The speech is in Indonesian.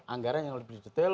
anggaran yang lebih detail